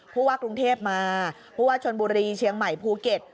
ผู้ว่ากรุงเทพมาผู้ว่าชนบุรีเชียงใหม่ภูเก็ต